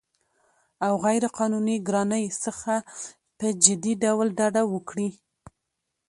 او غیرقانوني ګرانۍ څخه په جدي ډول ډډه وکړي